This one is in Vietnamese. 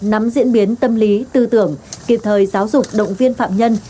nắm diễn biến tâm lý tư tưởng kịp thời giáo dục động viên phạm nhân